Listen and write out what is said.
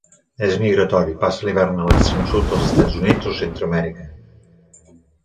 És migratori, passa l'hivern a l'extrem sud dels Estats Units o Centreamèrica.